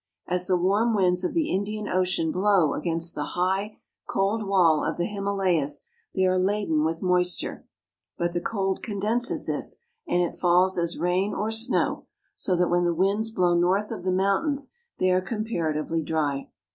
As the warm winds of the Indian Ocean blow against the high, cold wall of the Himalayas, they are laden with moisture ; but the cold condenses this and it falls as rain or snow, so that when the winds blow north of the mountains they are comparatively dry.